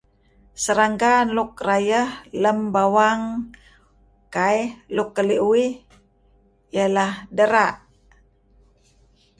Serangga luk rayeh lem bawang kaih luk keli' uhh leh leh dera'.